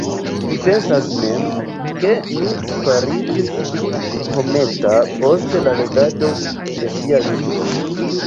Mi pensas mem, ke mi fariĝis pli homeca post la legado de ŝia libro.